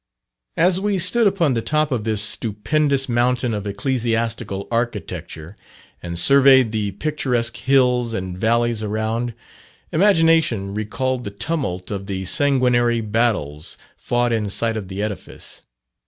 As we stood upon the top of this stupendous mountain of ecclesiastical architecture, and surveyed the picturesque hills and valleys around, imagination recalled the tumult of the sanguinary battles fought in sight of the edifice.